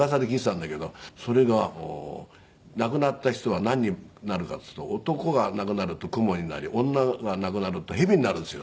それが「亡くなった人はなんになるかっていうと男が亡くなるとクモになり女が亡くなると蛇になるんですよ」